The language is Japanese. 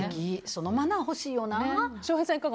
そのマナー欲しいよな。